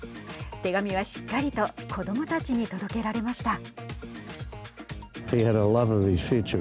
手紙は、しっかりと子どもたちに届けられました。